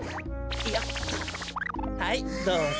はいどうぞ。